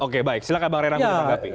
oke baik silahkan bang rerang menurut pak gapi